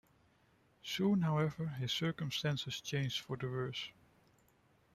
Soon, however, his circumstances changed for the worse.